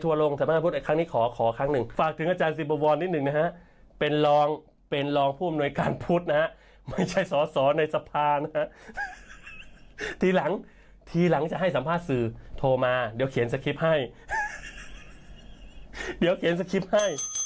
เทศธรรมะเพื่อให้ผีฟังอย่างเดียวค่ะ